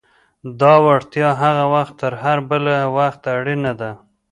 دا وړتیا هغه وخت تر هر بل وخت اړینه ده.